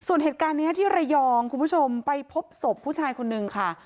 ส่วนเหตุการณ์นี้ที่ระยองคุณผู้ชมไปพบศพผู้ชายคนนึงค่ะ